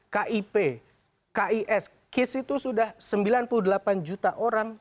kip kis kis itu sudah sembilan puluh delapan juta orang